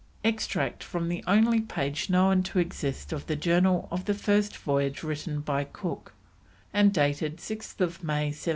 Extract from the only page known to exist of the Journal of the first voyage written by Cook, and dated 6th May, 1770.